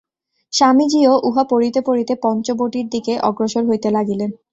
স্বামীজীও উহা পড়িতে পড়িতে পঞ্চবটীর দিকে অগ্রসর হইতে লাগিলেন।